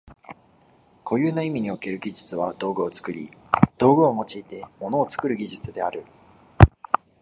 固有な意味における技術は道具を作り、道具を用いて物を作る技術である。